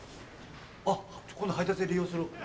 あっ今度配達で利用する。